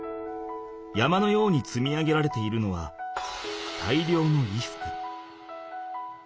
山のようにつみ上げられているのは大量の衣服。